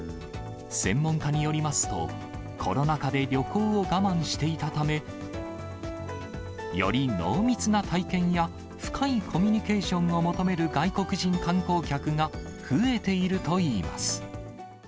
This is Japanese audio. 専門家によりますと、コロナ禍で旅行を我慢していたため、より濃密な体験や深いコミュニケーションを求める外国人観光客がばーん！